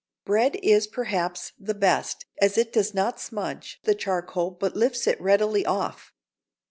Bread is, perhaps, the best, as it does not smudge the charcoal but lifts it readily off.